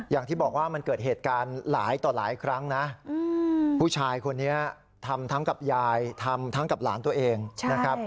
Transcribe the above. อย่างที่บอกว่ามันเกิดเหตุการณ์หลายต่อหลายครั้งนะผู้ชายคนนี้ทำทั้งกับยายทำทั้งกับหลานตัวเองนะครับ